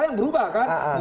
yang berubah kan